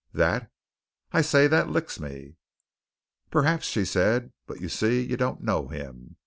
That I say, that licks me!" "Perhaps," she said. "But, you see, you don't know him.